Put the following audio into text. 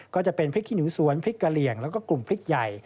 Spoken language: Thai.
ก็จะเป็นพริกขี้หนูสวนพริกกะเหลี่ยงแล้วก็กลุ่มพริกใหญ่